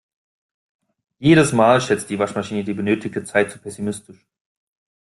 Jedes Mal schätzt die Waschmaschine die benötigte Zeit zu pessimistisch.